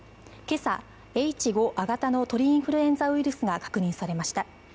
今朝、Ｈ５亜型の鳥インフルエンザウイルスが確認されました。